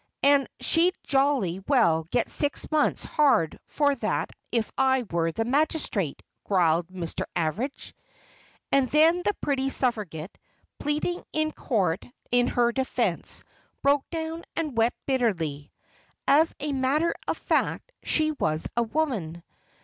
"And she'd jolly well get six months hard for that if I were the magistrate," growled Mr. Average. And then the pretty suffragette, pleading in court in her defense, broke down and wept bitterly. As a matter of fact, she was a woman.